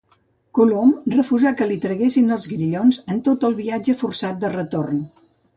Colom refusà que li traguessin els grillons en tot el viatge forçat de retorn.